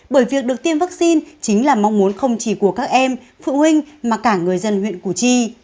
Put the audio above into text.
bởi việc được tiêm vaccine chính là mong muốn không chỉ của các em phụ huynh mà cả người dân huyện củ chi